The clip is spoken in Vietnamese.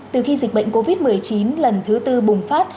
từ khi dịch bệnh covid một mươi chín lần thứ tư bùng phát